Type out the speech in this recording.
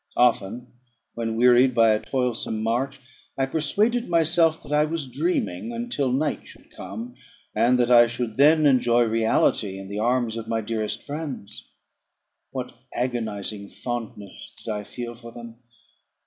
Often, when wearied by a toilsome march, I persuaded myself that I was dreaming until night should come, and that I should then enjoy reality in the arms of my dearest friends. What agonising fondness did I feel for them!